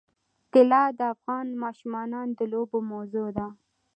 طلا د افغان ماشومانو د لوبو موضوع ده.